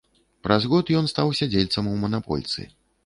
Праз год ён стаў сядзельцам у манапольцы.